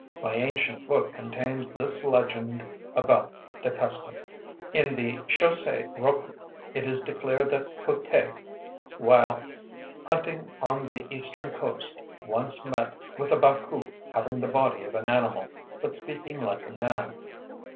My ancient book contains this legend about the custom: "In the Shōsei Roku it is declared that Kōtei, while hunting on the Eastern coast, once met with a Baku having the body of an animal, but speaking like a man.